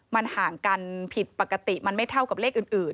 มันห่างกันผิดปกติมันไม่เท่ากับเลขอื่น